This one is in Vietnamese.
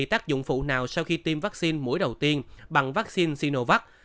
tác dụng phụ nào sau khi tiêm vaccine mũi đầu tiên bằng vaccine sinovac